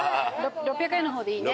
６００円の方でいいね。